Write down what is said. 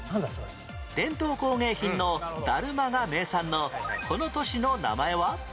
伝統工芸品のだるまが名産のこの都市の名前は？